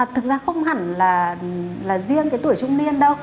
thực ra không hẳn là riêng cái tuổi trung niên đâu